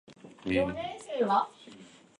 West Texas does not have major league sports teams.